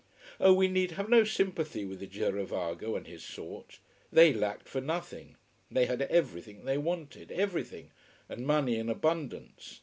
Oh, we need have no sympathy with the girovago and his sort. They lacked for nothing. They had everything they wanted: everything: and money in abundance.